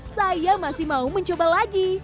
saya masih mau mencoba lagi